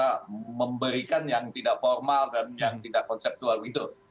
kita memberikan yang tidak formal dan yang tidak konseptual begitu